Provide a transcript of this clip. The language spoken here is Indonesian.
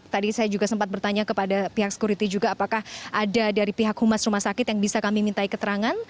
tadi saya juga sempat bertanya kepada pihak security juga apakah ada dari pihak humas rumah sakit yang bisa kami mintai keterangan